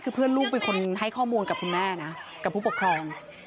คือเพื่อนลูกเป็นคนให้ข้อมูลกับคุณแม่นะกับผู้ปกครอง